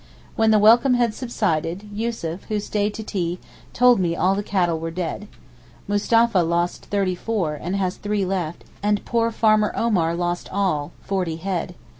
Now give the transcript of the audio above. When the welcome had subsided, Yussuf, who stayed to tea, told me all the cattle were dead. Mustapha lost thirty four, and has three left; and poor farmer Omar lost all—forty head.